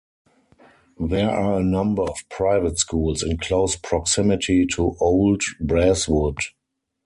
There are a number of private schools in close proximity to Old Braeswood.